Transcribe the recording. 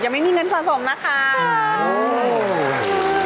ยังไม่มีเงินสะสมนะคะโอ้โฮใช่